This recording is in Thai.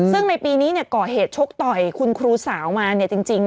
ซึ่งในปีนี้ก่อเหตุชกต่อยคุณครูสาวมาจริง